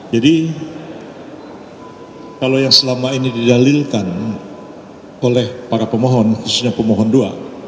jadi kalau yang selama ini didalilkan oleh para pemohon khususnya pemohon dua